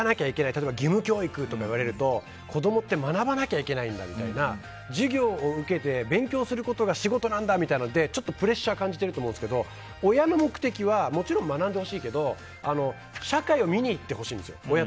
例えば義務教育って言われると子供は学ばなきゃいけないんだって授業を受けて勉強することが仕事なんだみたいにちょっとプレッシャー感じてると思うんですけど、親の目的はもちろん学んでほしいけど社会を見に行ってほしんですよ。